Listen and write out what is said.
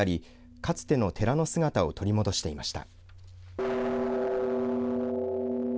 かつての寺の姿を取り戻していました。